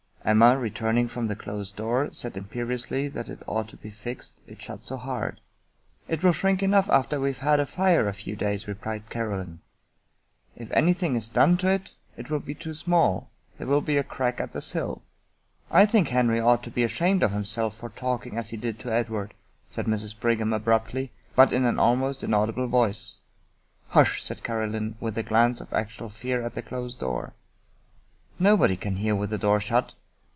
Emma, returning from the closed door, said imperiously that it ought to be fixed, it shut so hard. " It will shrink enough after we have had the fire a few 50 Mary E. Wilkins Freeman days," replied Caroline. " If anything is done to it it will be too small; there will be a crack at the sill." " I think Henry ought to be ashamed of himself for talk ing as he did to Edward," said Mrs. Brigham abruptly, but in an almost inaudible voice. " Hush! " said Caroline, with a glance of actual fear at the closed door. " Nobody can hear with the door shut."